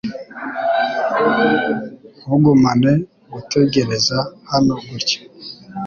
Ntugumane gutegereza hano gutya.